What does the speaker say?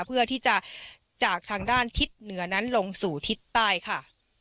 เพื่อที่จะจากทางด้านทิศเหนือนั้นลงสู่ทิศใต้ค่ะ